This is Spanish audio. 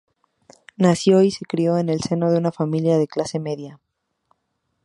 Nació y se crio en el seno de una familia de clase media.